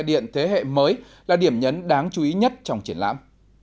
điện thế hệ mới là điểm nhấn đáng chú ý nhất trong triển lãm